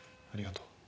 ありがとう。